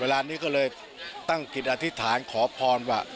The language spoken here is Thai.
เวลานี้ก็เลยตั้งจิตอธิษฐานขอพรว่า